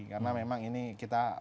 karena memang ini kita